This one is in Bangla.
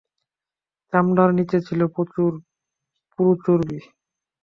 চামড়ার নীচে ছিল প্রচুর পুরু চর্বি।